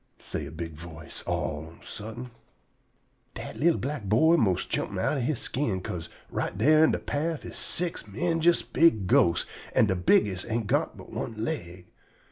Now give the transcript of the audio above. _" say a big voice all on a suddent. Dat li'l black boy 'most jump outen he skin, 'ca'se right dar in de paff is six 'mendjus big ghosts, an' de bigges' ain't got but one leg.